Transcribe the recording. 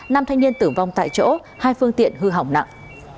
năm thanh niên tử vong tại chỗ hai phương tiện hư hỏng nặng